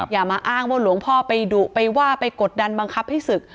อย่ามาอ้างว่าหลวงพ่อไปดุไปว่าไปกดดันบังคับให้ศึก